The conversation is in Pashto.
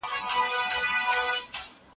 کمپيوټر هارډوېير هم بدلوي.